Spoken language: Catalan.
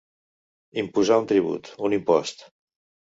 Imposar un tribut, un impost.